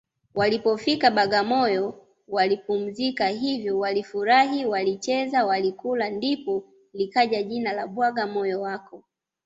Walipofika Bagamoyo walipumzika hivyo walifurahi walicheza walikula ndipo likaja jina la bwagamoyo wako